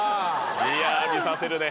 いや焦させるね